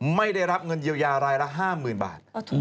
ไม่ได้รับเงินเยียวยารายละ๕๐๐๐บาท